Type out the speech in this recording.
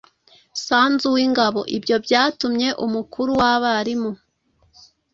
sanzu w ingabo ibyo byatumye umukuru w abarimu